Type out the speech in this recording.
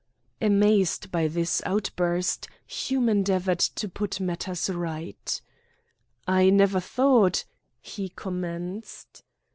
Amazed by this outburst, Hume endeavoured to put matters right. "I never thought " he commenced.